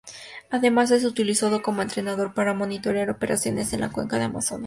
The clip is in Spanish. Además es utilizado como entrenador para monitorear operaciones en la Cuenca del Amazonas.